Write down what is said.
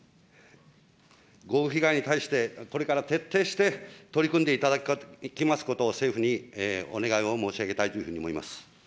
豪雨被害に対して、これから徹底して取り組んでいただきますことを、政府にお願いを申し上げたいというふうに思います。